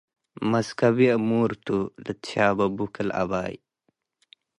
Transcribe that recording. መስከብዬ እሙር ቱ - ልትሻበቡ ክል አባይ